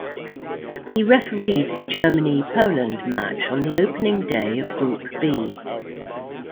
He refereed the Germany-Poland match on the opening day of Group B.